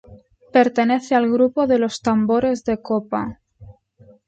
Pertenece al grupo de los tambores de copa.